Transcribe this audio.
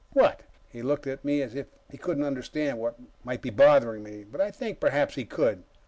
"What?" He looked at me as if he couldn't understand what might be bothering me, but I think perhaps he could.